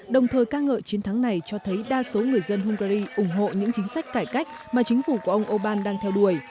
đồng thời ca ngợi chiến thắng này cho thấy đa số người dân hungary ủng hộ những chính sách cải cách mà chính phủ của ông orbán đang theo đuổi